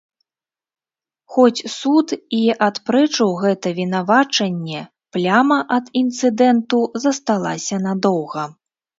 Хоць суд і адпрэчыў гэта вінавачанне, пляма ад інцыдэнту засталася надоўга.